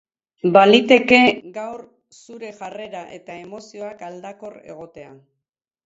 Baliteke gaur zure jarrera eta emozioak aldakor egotea.